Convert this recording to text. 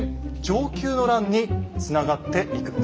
承久の乱につながっていくのです。